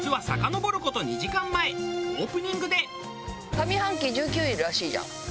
上半期１９位らしいじゃん。